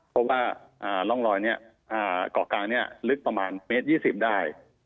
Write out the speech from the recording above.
เพราะว่ารองรอยเกาะกลางลึกประมาณเมตรยี่สิบได้